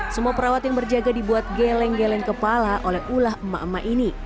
semua perawat yang berjaga dibuat geleng geleng kepala oleh ulah emak emak ini